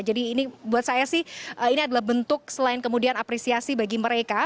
jadi ini buat saya sih ini adalah bentuk selain kemudian apresiasi bagi mereka